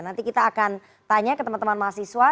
nanti kita akan tanya ke teman teman mahasiswa